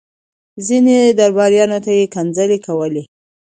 ځينو درباريانو ته يې کنځلې کولې.